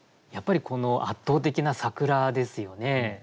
やっぱりこの圧倒的な桜ですよね。